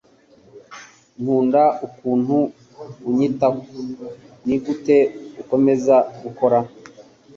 Nkunda ukuntu unyitaho. Nigute ukomeza gukora